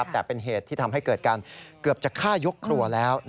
แต่เป็นเหตุที่ทำให้เกิดการเกือบจะฆ่ายกครัวแล้ว